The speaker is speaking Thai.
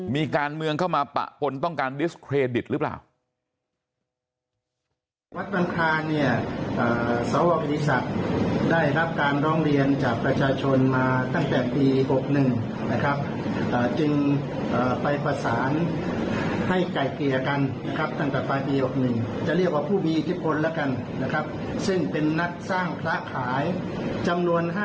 มีการเมืองเข้ามาปะปนต้องการดิสเครดิตหรือเปล่า